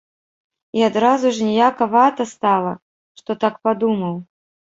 І адразу ж ніякавата стала, што так падумаў.